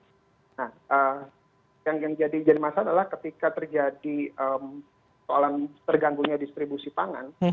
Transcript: nah yang jadi jenis masalah adalah ketika terjadi soalan terganggu nya distribusi pangan